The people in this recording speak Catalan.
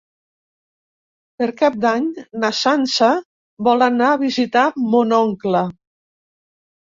Per Cap d'Any na Sança vol anar a visitar mon oncle.